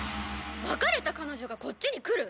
別れた彼女がこっちに来る？